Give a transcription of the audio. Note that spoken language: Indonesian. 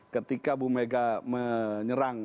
ketika ibu mega menyerang